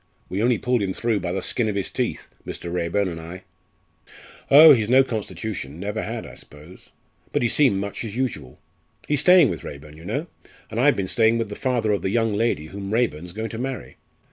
We only pulled him through by the skin of his teeth Mr. Raeburn and I." "Oh, he's no constitution; never had, I suppose. But he seemed much as usual. He's staying with Raeburn, you know, and I've been staying with the father of the young lady whom Raeburn 's going to marry."